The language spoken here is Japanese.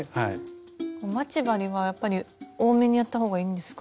待ち針はやっぱり多めにやったほうがいいんですか？